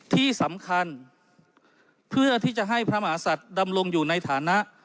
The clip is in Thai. ที่สำคัญเพื่อที่จะให้พระมหาศัตริย์ดำรงอยู่ในฐานะ